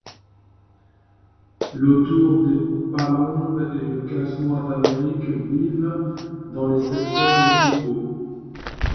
L’autour des palombes et le cassenoix d'Amérique vivent dans les secteurs les plus hauts.